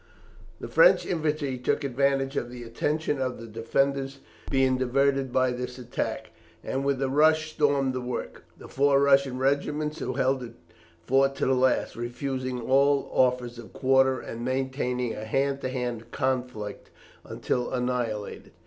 The French infantry took advantage of the attention of the defenders being diverted by this attack, and with a rush stormed the work; the four Russian regiments who held it fought to the last, refusing all offers of quarter, and maintaining a hand to hand conflict until annihilated.